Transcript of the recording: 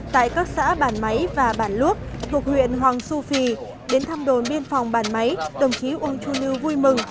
tại các xã bản máy và bản luốc thuộc huyện hoàng su phi đến thăm đồn biên phòng bản máy đồng chí uông chu lưu vui mừng